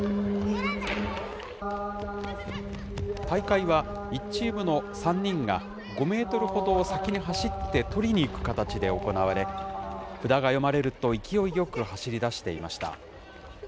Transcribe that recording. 大会は１チームの３人が、５メートルほどを先に走って取りに行く形で行われ、札が詠まれると勢いよく走りだしていました。